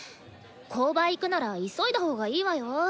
購買行くなら急いだほうがいいわよ。